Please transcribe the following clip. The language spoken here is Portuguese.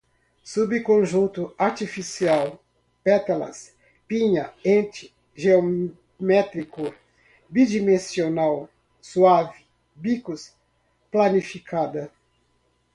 subconjunto, artificial, pétalas, pinha, ente geométrico, bidimensional suave, bicos, planificada